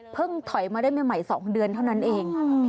เพิ่งถอยมาได้เมื่อใหม่๒เดือนเท่านั้นเอง